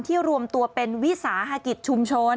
รวมตัวเป็นวิสาหกิจชุมชน